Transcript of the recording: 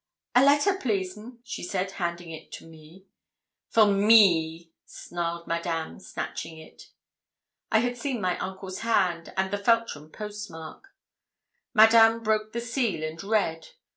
'A letter, please, 'm,' she said, handing it to me. 'For me,' snarled Madame, snatching it. I had seen my uncle's hand, and the Feltram post mark. Madame broke the seal, and read.